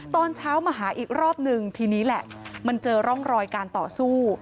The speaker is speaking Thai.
ตอนเช้ามาหาอีกรอบนึงทีนี้แหละมันเจอร่องรอยการต่อสู้